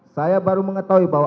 saya baru mengetahui bahwa